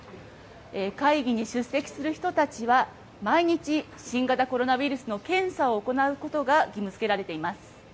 会議に出席する人たちは、毎日、新型コロナウイルスの検査を行うことが義務づけられています。